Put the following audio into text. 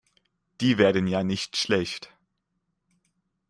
Die werden ja nicht schlecht.